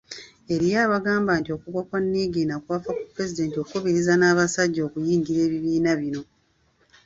Eriyo abagamba nti okugwa kwa Niigiina kwava ku Pulezidenti okukubiriza n’abasajja okuyingira ebibiina bino.